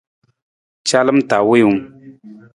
Calam ta wiiwung.